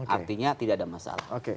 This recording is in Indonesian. artinya tidak ada masalah